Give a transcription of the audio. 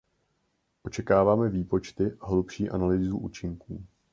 Očekáváme výpočty a hlubší analýzu účinků.